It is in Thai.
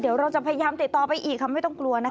เดี๋ยวเราจะพยายามติดต่อไปอีกค่ะไม่ต้องกลัวนะคะ